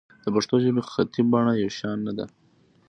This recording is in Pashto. د پښتو ژبې خطي بڼه یو شان نه ده.